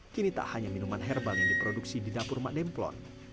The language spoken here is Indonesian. kini tak hanya minuman herbal yang diproduksi di dapur mak demplon